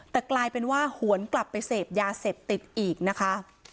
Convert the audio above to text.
แต่กลายเป็นว่าหวนกลับไปเสพยาเสพติดอีกนะคะ